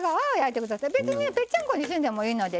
別にぺっちゃんこにせんでもいいので。